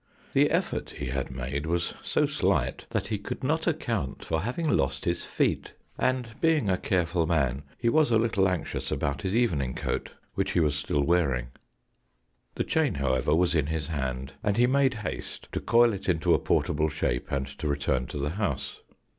The effort he had made was so slight th'at he could not account for having lost his feet; 116 THE BOCKBBY. and being a careful man, he was a little anxious about his evening coat, which he was still wearing. The chain, however, was in his hand, and he made haste to coil it into a portable shape, and to return to the house.